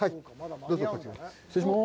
どうぞこちらです。